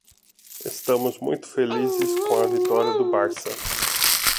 Estamos muito felizes com a vitória do Barça.